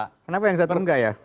kenapa yang satu enggak ya